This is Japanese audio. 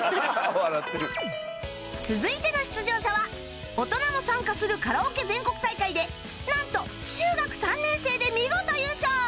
続いての出場者は大人も参加するカラオケ全国大会でなんと中学３年生で見事優勝！